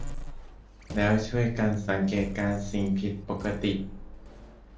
แล้วช่วยกันสังเกตการณ์สิ่งผิดปกติ